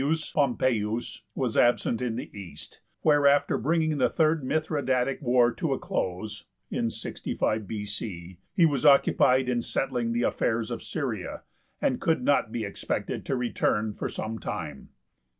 Pompeius, was absent in the East, where after bringing the third Mithridatic war to a close (65) he was occupied in settling the affairs of Syria, and could not be expected to return for some time.